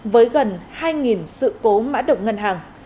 với gần hai sự cố mã động ngân hàng